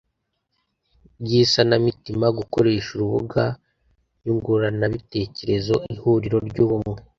rw isanamitima gukoresha urubuga nyunguranabitekerezo Ihuriro ry Ubumwe